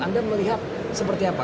anda melihat seperti apa